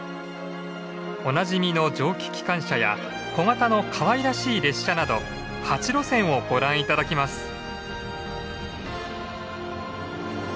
おなじみの蒸気機関車や小型のかわいらしい列車など８路線をご覧頂きます。